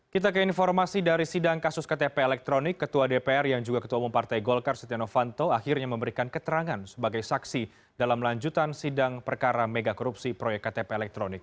kita ke informasi dari sidang kasus ktp elektronik ketua dpr yang juga ketua umum partai golkar setia novanto akhirnya memberikan keterangan sebagai saksi dalam lanjutan sidang perkara mega korupsi proyek ktp elektronik